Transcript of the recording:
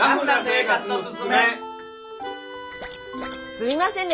すみませんね